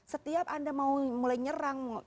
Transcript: setiap anda mau mulai nyerang